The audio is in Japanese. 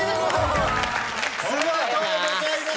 おめでとうございます。